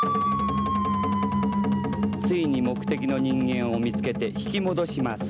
ついに目的の人間を見つけて引き戻します。